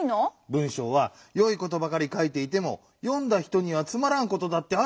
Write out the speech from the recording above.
文しょうはよいことばかりかいていてもよんだ人にはつまらんことだってあるだろう。